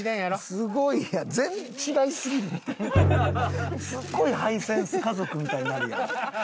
すごいハイセンス家族みたいになるやん。